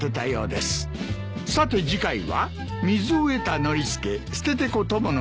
さて次回は。